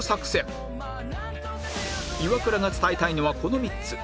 イワクラが伝えたいのはこの３つ